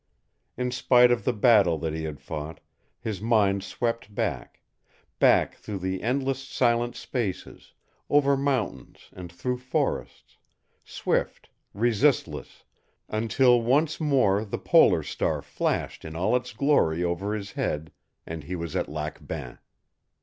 In spite of the battle that he had fought, his mind swept back back through the endless silent spaces, over mountains and through forests, swift, resistless, until once more the polar star flashed in all its glory over his head, and he was at Lac Bain.